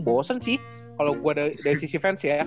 bosen sih kalau gue dari sisi fans ya